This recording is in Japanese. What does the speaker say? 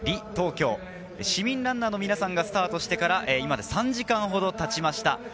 市民ランナーの皆さんがスタートしてから今３時間ほどたちました。